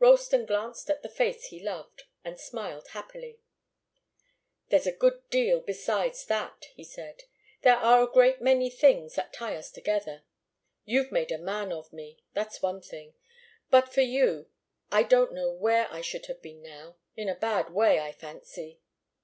Ralston glanced at the face he loved and smiled happily. "There's a good deal besides that," he said. "There are a great many things that tie us together. You've made a man of me. That's one thing. But for you, I don't know where I should have been now in a bad way, I fancy."